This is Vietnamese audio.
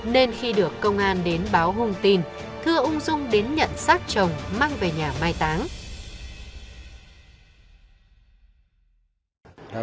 nên khi được công an đến báo hùng tin thưa ung dung đến nhận xác chồng mang về nhà mai táng